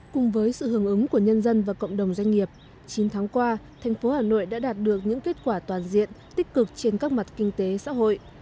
cùng với sự hưởng ứng của nhân dân và cộng đồng doanh nghiệp chín tháng qua thành phố hà nội đã đạt được những kết quả toàn diện tích cực trên các mặt kinh tế xã hội